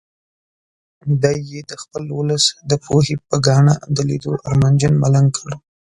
دی یې د خپل ولس د پوهې په ګاڼه د لیدو ارمانجن ملنګ کړ.